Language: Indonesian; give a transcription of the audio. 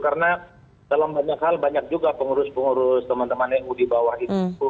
karena dalam banyak hal banyak juga pengurus pengurus teman teman eu di bawah itu